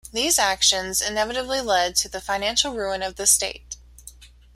These actions inevitably led to the financial ruin of the state.